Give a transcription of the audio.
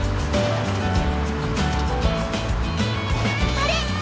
あれ！